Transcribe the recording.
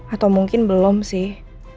atau mungkin belum sih